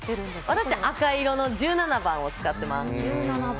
私は赤色の１７番を使ってます。